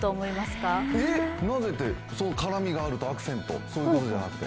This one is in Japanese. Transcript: からみがあるとアクセントそういうことじゃなくて？